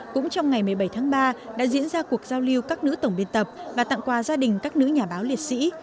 cũng trong ngày một mươi bảy tháng ba đã diễn ra cuộc giao lưu các nữ tổng biên tập và tặng quà gia đình các nữ nhà báo liệt sĩ